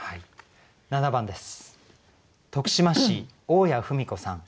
７番です。